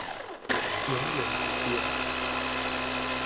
永遠不變